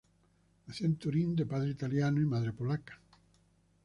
Nació en Turín de padre italiano y madre polaca.